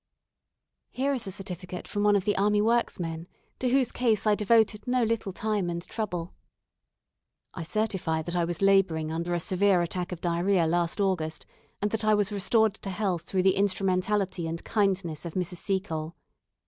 Here is a certificate from one of the Army Works' men, to whose case I devoted no little time and trouble: "I certify that I was labouring under a severe attack of diarrhoea last August, and that I was restored to health through the instrumentality and kindness of Mrs. Seacole.